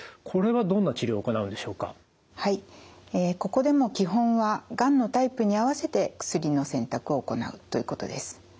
ここでも基本はがんのタイプに合わせて薬の選択を行うということです。